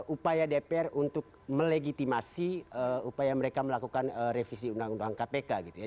upaya dpr untuk melegitimasi upaya mereka melakukan revisi undang undang kpk gitu ya